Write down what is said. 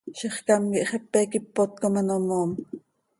Zixcám quih xepe quih ipot com ano moom.